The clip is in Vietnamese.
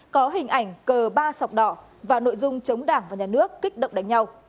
có hình ảnh cờ ba sọc đỏ và nội dung chống đảng và nhà nước kích động đánh nhau